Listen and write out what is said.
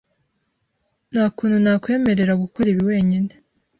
Nta kuntu nakwemerera gukora ibi wenyine.